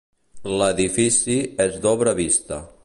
L'edifici és d'obra vista.